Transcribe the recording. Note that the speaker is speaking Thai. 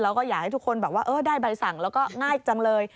แล้วก็อยากให้ทุกคนแบบว่าได้ใบสั่งแล้วก็ง่ายจังเลย